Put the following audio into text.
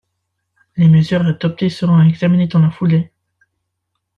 Les mesures à adopter seront examinées dans la foulée.